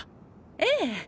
ええ。